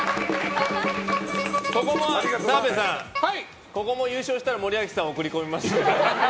澤部さん、ここも優勝したら森脇さんを送り込みます。